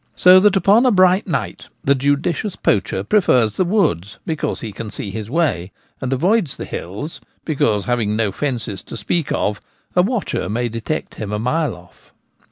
So that upon a bright night the judicious poacher prefers the woods, because he can see his way, and avoids the hills, because, having no fences to speak of, a watcher may detect him a mile off.